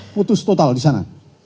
putus total di sana